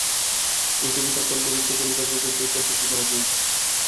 এই কবিতাকার পত্রগুচ্ছ পড়িবার পূর্বে সেই পত্রটি পড়া প্রয়োজন।